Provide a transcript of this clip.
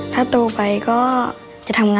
ถ้าโตไปก็จะทำงาน